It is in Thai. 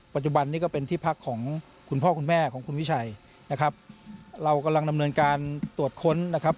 ปัจจุบันนี้ก็เป็นที่พักของคุณพ่อคุณแม่ของคุณวิชัยนะครับเรากำลังดำเนินการตรวจค้นนะครับ